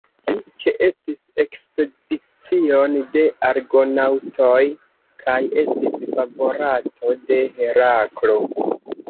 Li ĉeestis ekspedicion de Argonaŭtoj kaj estis favorato de Heraklo.